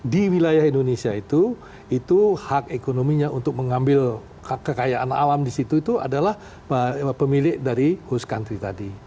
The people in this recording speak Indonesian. di wilayah indonesia itu itu hak ekonominya untuk mengambil kekayaan alam di situ itu adalah pemilik dari host country tadi